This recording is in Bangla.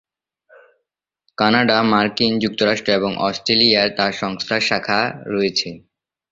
কানাডা, মার্কিন যুক্তরাষ্ট্র এবং অস্ট্রেলিয়ায় তার সংস্থার শাখা রয়েছে।